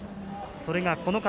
それが、この方。